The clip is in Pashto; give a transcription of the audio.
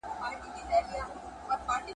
خو په زړه کي پټ له ځان سره ژړېږم ,